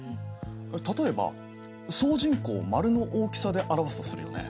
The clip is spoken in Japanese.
例えば総人口を丸の大きさで表すとするよね。